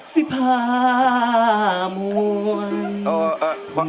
สิบห้ามวล